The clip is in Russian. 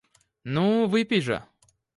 Ну, выпей же.